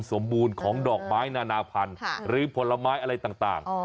สมบูรณ์ของดอกไม้นานาพันธุ์หรือผลไม้อะไรต่าง